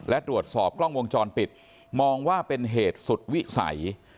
และตรวจสอบกล้องวงจรปิดมองว่าเป็นเหตุสุดวิสัย